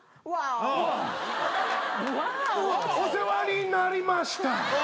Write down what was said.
お世話になりました。